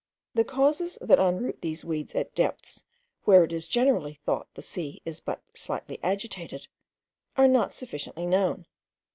The causes that unroot these weeds at depths where it is generally thought the sea is but slightly agitated, are not sufficiently known.